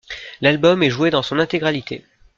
L'album est joué dans son intégralité.